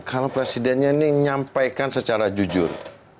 kalau presidennya ini nyampaikan secara jujur